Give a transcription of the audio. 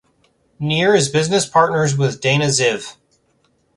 Nir is business partners with Dana Ziv.